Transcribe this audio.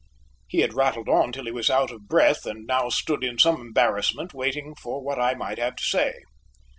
He had rattled on till he was out of breath, and now stood in some embarrassment waiting for what I might have to say.